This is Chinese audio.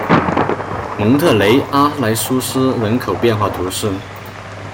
蒙特雷阿莱苏斯人口变化图示